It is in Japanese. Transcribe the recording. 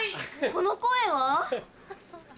・この声は？